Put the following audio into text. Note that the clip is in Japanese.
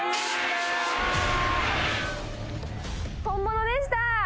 本物でした。